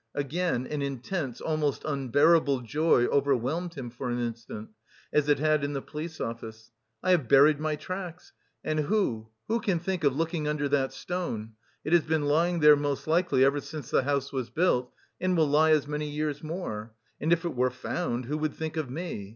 Again an intense, almost unbearable joy overwhelmed him for an instant, as it had in the police office. "I have buried my tracks! And who, who can think of looking under that stone? It has been lying there most likely ever since the house was built, and will lie as many years more. And if it were found, who would think of me?